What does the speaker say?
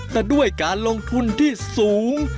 แต่ด้วยการลงทุนที่สูง